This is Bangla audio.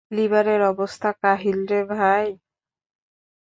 লিভারের অবস্থা কাহিল রে ভাই!